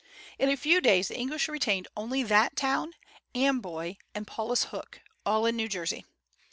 In a few days the English retained only that town, Amboy, and Paulus Hook, in all New Jersey.